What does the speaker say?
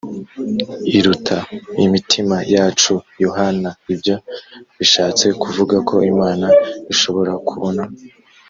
iruta imitima yacu yohana ibyo bishatse kuvuga ko imana ishobora kubona